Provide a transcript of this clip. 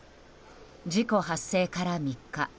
事故発生から３日。